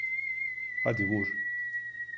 Hadi vur!